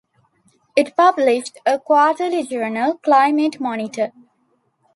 It published a quarterly journal, "Climate Monitor".